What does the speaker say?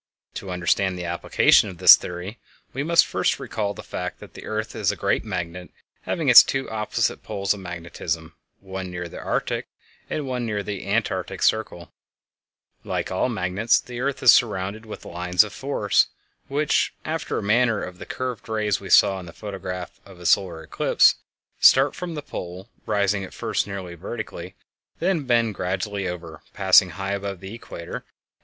To understand the application of this theory we must first recall the fact that the earth is a great magnet having its two opposite poles of magnetism, one near the Arctic and the other near the Antarctic Circle. Like all magnets, the earth is surrounded with "lines of force," which, after the manner of the curved rays we saw in the photograph of a solar eclipse, start from a pole, rising at first nearly vertically, then bend gradually over, passing high above the equator, and finally descending in converging sheaves to the opposite pole.